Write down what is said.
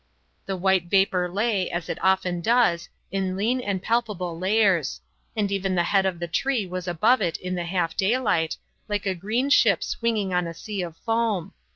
The white vapour lay, as it often does, in lean and palpable layers; and even the head of the tree was above it in the half daylight, like a green ship swinging on a sea of foam.